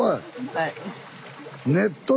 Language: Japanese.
はい。